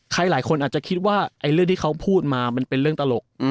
หลายคนอาจจะคิดว่าเรื่องที่เขาพูดมามันเป็นเรื่องตลก